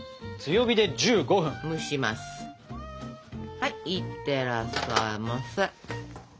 はいいってらっしゃいませ。